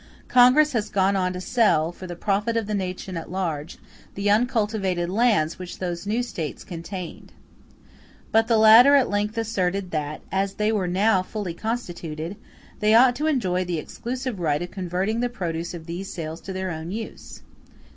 Congress has gone on to sell, for the profit of the nation at large, the uncultivated lands which those new States contained. But the latter at length asserted that, as they were now fully constituted, they ought to enjoy the exclusive right of converting the produce of these sales to their own use.